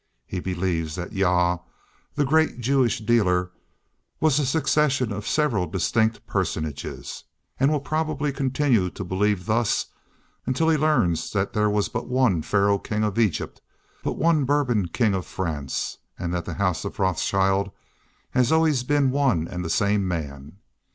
He believes that Jah, the grand Jewish dealer, was a succession of several distinct personages; and will probably continue to believe thus until he learns that there was but one Pharaoh King of Egypt, but one Bourbon King of France, and that the House of Rothschild has always been one and the same man.